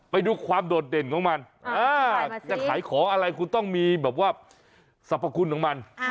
ไปดูความโดดเด่นของมันจะขายของอะไรคุณต้องมีแบบว่าสรรพคุณของมัน